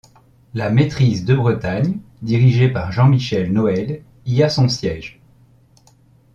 La Maîtrise de Bretagne, dirigée par Jean-Michel Noël, y a son siège.